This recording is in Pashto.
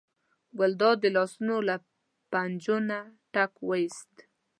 ګلداد د لاسونو له پنجو نه ټک وویست.